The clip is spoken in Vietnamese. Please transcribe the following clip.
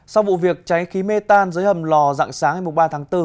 sau vụ việc cháy khí mê tan dưới hầm lò dạng sáng hai mươi ba tháng bốn